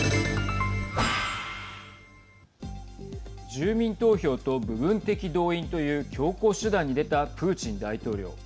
住民投票と部分的動員という強硬手段にでたプーチン大統領。